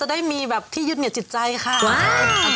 จะได้มีแบบที่ยุ่นเหงียจจิตใจครับ